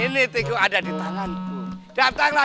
ini tiku ada di tanganku datanglah